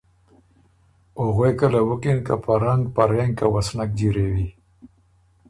او غوېکه له بُکِن که په رنګه په رېنکه و سُو نک جیروئ